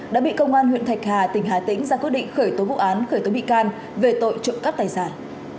đã bị công an huyện thạch hà tỉnh hà tĩnh ra quyết định khởi tố vụ án khởi tố bị can về tội trộm cắp tài sản